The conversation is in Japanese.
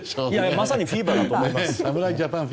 まさにフィーバーだと思います。